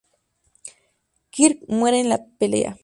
Kirk muere en la pelea.